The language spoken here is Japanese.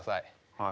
はい。